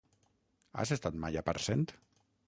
Has estat mai a Parcent?